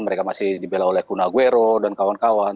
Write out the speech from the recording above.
mereka masih dibela oleh kun aguero dan kawan kawan